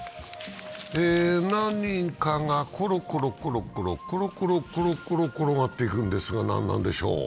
何かがコロコロコロコロ転がっていくんですが何なんでしょう。